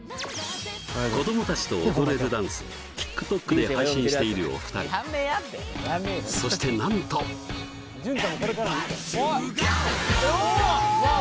子供達と踊れるダンスをＴｉｋＴｏｋで配信しているお二人そしてなんとうわあ！